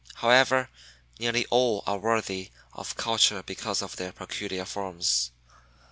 However, nearly all are worthy of culture because of their peculiar forms.